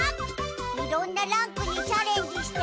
いろんなランクにチャレンジして。